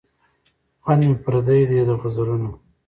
خوند مي پردی دی د غزلونو